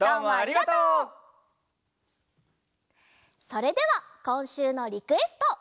それではこんしゅうのリクエスト！